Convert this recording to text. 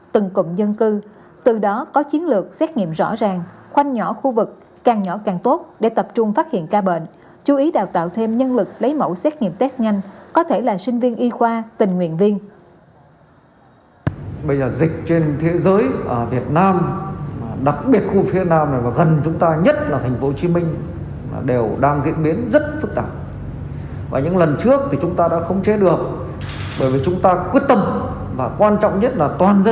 từng cộng đồng từng cộng đồng từng cộng đồng từng cộng đồng từng cộng đồng từng cộng đồng